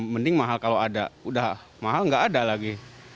mending mahal kalau ada udah mahal nggak ada lagi